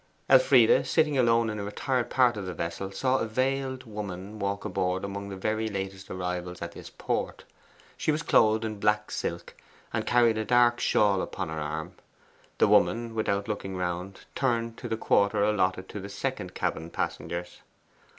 Elfride, sitting alone in a retired part of the vessel, saw a veiled woman walk aboard among the very latest arrivals at this port. She was clothed in black silk, and carried a dark shawl upon her arm. The woman, without looking around her, turned to the quarter allotted to the second cabin passengers.